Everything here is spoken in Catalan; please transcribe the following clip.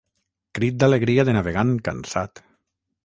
Crit d'alegria de navegant cansat.